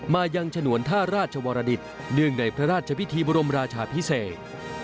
มายังฉนวนท่าราชวรดิตเนื่องในพระราชพิธีบรมราชาพิเศษ